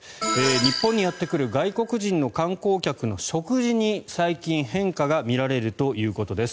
日本にやってくる外国人の観光客の食事に最近、変化が見られるということです。